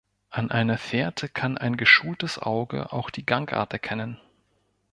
An einer Fährte kann ein geschultes Auge auch die Gangart erkennen.